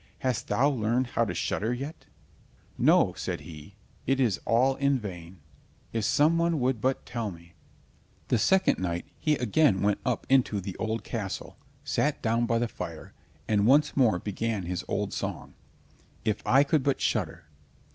Hast thou learned how to shudder yet?" "No," said he, "it is all in vain. If some one would but tell me!" The second night he again went up into the old castle, sat down by the fire, and once more began his old song: "If I could but shudder!"